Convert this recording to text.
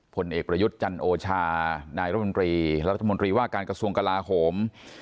ผลเอกประยุทธ์จันโอชานายรมนตรีรัฐมนตรีว่าการกระทรวงกลาโหม